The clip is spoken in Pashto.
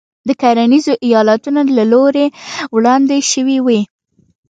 د کرنیزو ایالتونو له لوري وړاندې شوې وې.